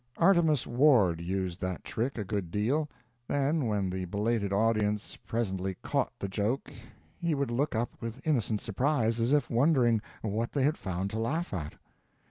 Artemus Ward used that trick a good deal; then when the belated audience presently caught the joke he would look up with innocent surprise, as if wondering what they had found to laugh at.